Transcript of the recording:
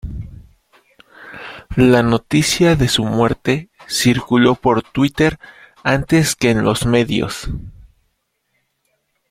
La noticia de su muerte circuló por Twitter antes que en los medios.